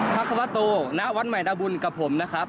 ควโตณวัดใหม่นาบุญกับผมนะครับ